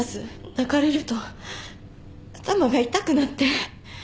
泣かれると頭が痛くなって。